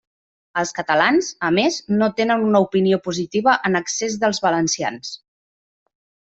Els catalans, a més, no tenen una opinió positiva en excés dels valencians.